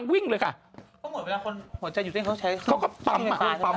ก็หมดเวลาคนหัวใจอยู่ด้านเขาก็ชั้นให้กดตาม